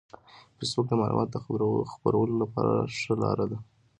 فېسبوک د معلوماتو د خپرولو لپاره ښه لار ده